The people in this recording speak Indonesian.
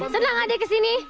senang gak deh ke sini